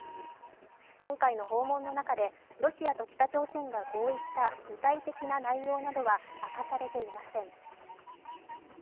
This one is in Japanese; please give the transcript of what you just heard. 今回の訪問の中で、ロシアと北朝鮮が合意した具体的な内容などは明かされていません。